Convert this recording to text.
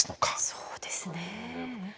そうですね。